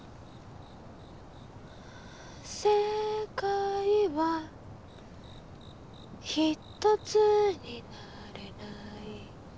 「世界はひとつになれない」